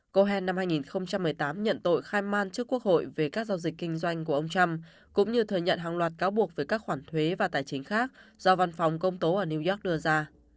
cohen năm hai nghìn một mươi tám nhận tội khai man trước quốc hội về các giao dịch kinh doanh của ông trump cũng như thừa nhận hàng loạt cáo buộc về các khoản thuế và tài chính khác do văn phòng công tố ở new york đưa ra